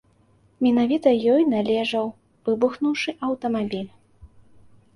Менавіта ёй належаў выбухнуўшы аўтамабіль.